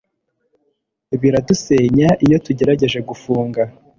biradusenya iyo tugerageje gufunga